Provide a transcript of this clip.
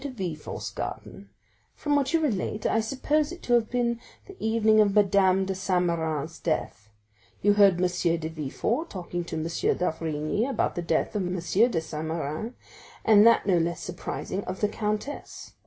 de Villefort's garden; from what you relate, I suppose it to have been the evening of Madame de Saint Méran's death. You heard M. de Villefort talking to M. d'Avrigny about the death of M. de Saint Méran, and that no less surprising, of the countess.